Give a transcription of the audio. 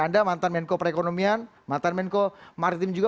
anda mantan menko perekonomian mantan menko maritim juga